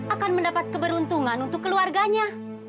akan mendapat keberuntungan untuk keluarganya